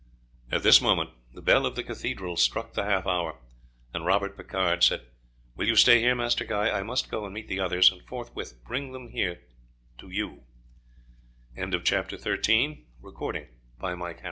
At this moment the bell of the cathedral struck the half hour, and Robert Picard said: "Will you stay here, Master Guy? I must go and meet the others, and forthwith bring them to you here." CHAPTER XIV PLANNING MASSACRE In a short time Robe